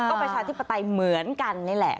ก็ประชาธิปไตยเหมือนกันนี่แหละ